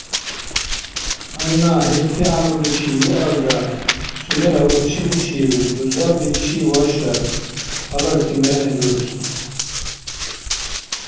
Гьанна гьести гӀямруличив виалра, сунела урчиличив дузабличи вашар, гьаларти мерани дурцу.